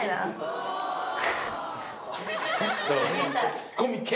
ツッコミ兼。